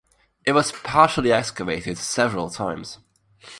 It was partially excavated several times.